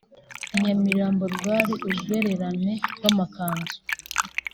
I Nyamirambo rwari urwererane rw’amakanzu